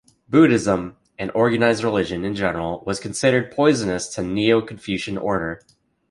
Buddhism, and organized religion in general was considered poisonous to the neo-Confucian order.